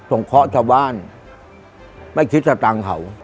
ส่งเคาะส่วนบ้านไม่คิดแต่ตังเขา